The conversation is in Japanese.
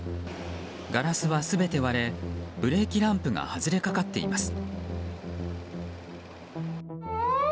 ガラスは全て割れブレーキランプが外れかかっています。